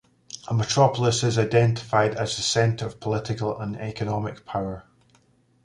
A metropolis is identified as the center of political and economic power.